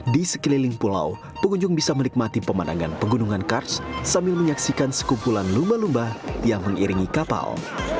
di sekeliling pulau pengunjung bisa menikmati pemandangan pegunungan kars sambil menyaksikan sekumpulan lumba lumba yang mengiringi kapal